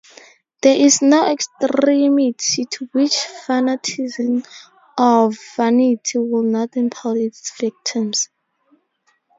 There is no extremity to which fanaticism or vanity will not impel its victims.